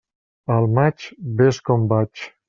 Al maig, vés com vaig.